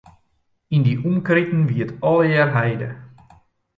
Yn dy omkriten wie it allegear heide.